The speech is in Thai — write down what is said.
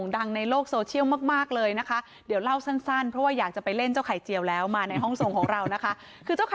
วันนี้มาเยี่ยมมาเยือนไทยรัฐนิวโชว์